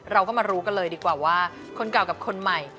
เราก็มารู้กันเลยดีกว่าว่าคนเก่ากับคนใหม่